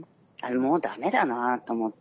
もう駄目だなと思って。